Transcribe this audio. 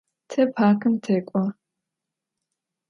Te parkım tek'o.